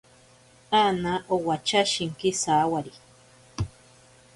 Ana owacha shinki sawari.